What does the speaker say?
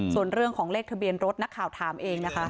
ส่วนเรื่องของเลขทะเบียนรถนักข่าวถามเองนะคะ